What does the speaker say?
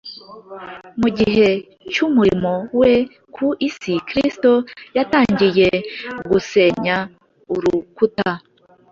Mu gihe cy’umurimo we ku isi Kristo yatangiye gusenya urukuta